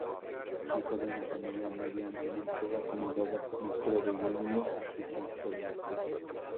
Hijo de una familia medianamente acomodada, mostró desde niño afición por el estudio.